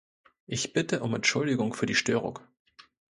Ich bitte um Entschuldigung für die Störung.